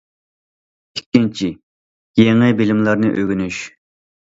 ئىككىنچى، يېڭى بىلىملەرنى ئۆگىنىش.